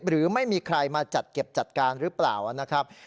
หรือไม่มีใครมาจัดเก็บจัดการหรือเปล่านะครับ